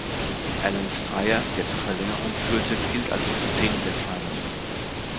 Allens Dreier, der zur Verlängerung führte, gilt als Szene der Finals.